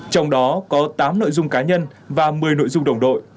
trong đó có tám nội dung cá nhân và một mươi nội dung đồng đội